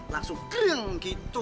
langsung kering gitu